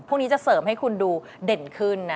พวกนี้จะเสริมให้คุณดูเด่นขึ้นนะ